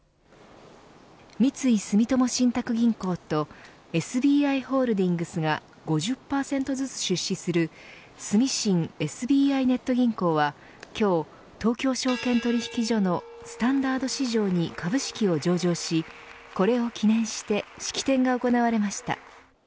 三井住友信託銀行とＳＢＩホールディングスが５０％ずつ出資する住信ＳＢＩネット銀行は今日、東京証券取引所のスタンダード市場に株式を上場しこれを記念して式典が行われました。